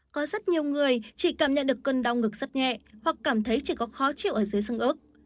có rất nhiều người chỉ cảm nhận được cơn đau ngực rất nhẹ hoặc cảm thấy chỉ có khó chịu ở dưới xương ức